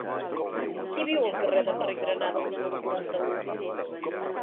Qui viu al carrer d'Enric Granados número quaranta-u?